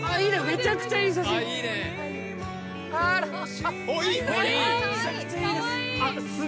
むちゃくちゃいいです。